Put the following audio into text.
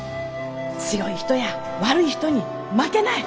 強い人や悪い人に負けない！